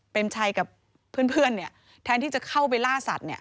เป็นชัยกับเพื่อนแทนที่จะเข้าไปล่าสัตว์